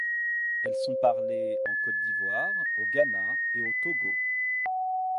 Elles sont parlées en Côte d'Ivoire, au Ghana et au Togo.